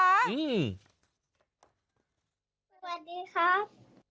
สวัสดีครับ